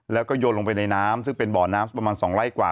แล้วก็โยนลงไปในน้ำซึ่งเป็นบ่อน้ำประมาณ๒ไร่กว่า